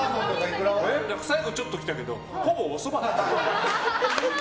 最後ちょっと来たけどほぼおそばだ。